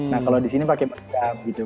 nah kalau di sini pakai medam gitu